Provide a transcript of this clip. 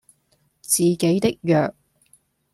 自己的弱